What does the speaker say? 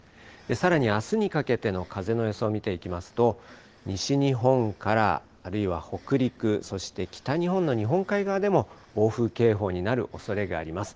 さらにあすにかけての風の予想を見ていきますと西日本から、あるいは北陸、そして北日本の日本海側でも暴風警報になるおそれがあります。